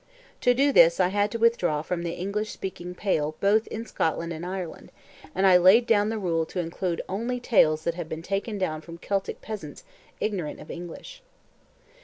To do this I had to withdraw from the English speaking Pale both in Scotland and Ireland, and I laid down the rule to include only tales that have been taken down from Celtic peasants ignorant of English.